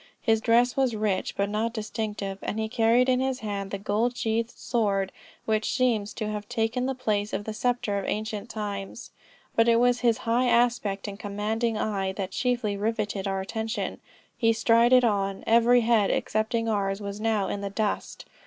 His dress was rich but not distinctive, and he carried in his hand the gold sheathed sword, which seems to have taken the place of the sceptre of ancient times. But it was his high aspect and commanding eye, that chiefly rivetted our attention. He strided on. Every head excepting ours, was now in the dust.